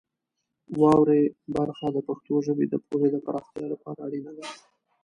واورئ برخه د پښتو ژبې د پوهې د پراختیا لپاره اړینه ده.